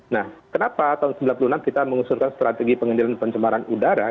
nah kenapa tahun seribu sembilan ratus sembilan puluh enam kita mengusurkan strategi pengendalian penjemaran udara